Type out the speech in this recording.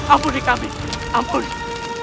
ampuni kami ampuni